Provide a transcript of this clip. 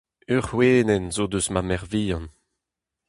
Ur c'hwenenn zo eus ma merc'h-vihan !